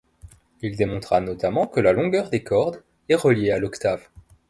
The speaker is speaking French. Il démontra notamment que la longueur des cordes est reliée à l'octave.